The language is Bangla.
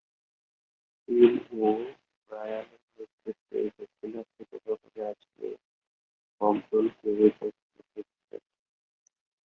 টিম ও’ব্রায়ানের নেতৃত্বে দক্ষিণ আফ্রিকা সফরে আসলেও হক দলকে ঐ টেস্টে নেতৃত্বে দেন।